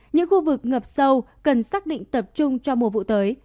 những khu vực ngập sâu cần xác định tập trung cho mùa vụ tới